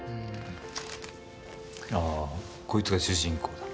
ああこいつが主人公だ。